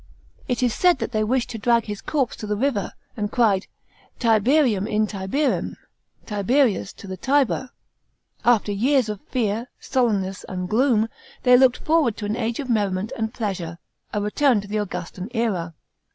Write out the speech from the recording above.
It is said that they wished to drag his corpse to the river, and cried Tiberium in Tiberim, " Tiberius to the Tiber !" After years of fear, sullenness, and gloom, they looked forward to an age of merriment and pleasure — a return of the Augustan era.